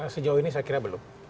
sejauh ini saya kira belum